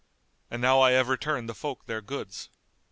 And now I have returned the folk their goods."